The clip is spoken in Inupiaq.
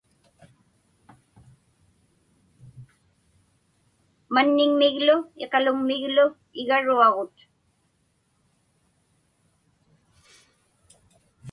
Manniŋmiglu iqaluŋmiglu igaruagut.